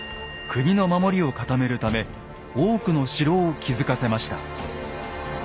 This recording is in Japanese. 国の守りを固めるため多くの城を築かせました。